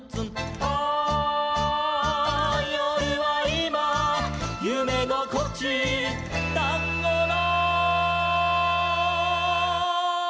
「ああよるはいまゆめごこち」「タンゴの」